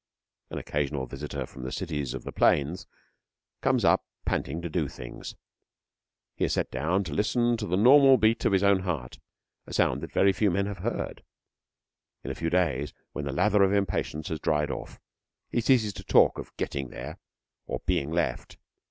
An occasional visitor from the Cities of the Plains comes up panting to do things. He is set down to listen to the normal beat of his own heart a sound that very few men have heard. In a few days, when the lather of impatience has dried off, he ceases to talk of 'getting there' or 'being left.'